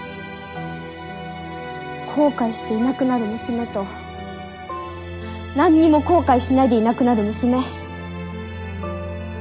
後悔していなくなる娘と何にも後悔しないでいなくなる娘。